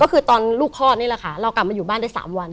ก็คือตอนลูกคลอดนี่แหละค่ะเรากลับมาอยู่บ้านได้๓วัน